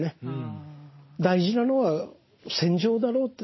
大事なのは戦場だろうって。